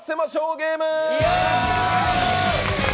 ゲーム！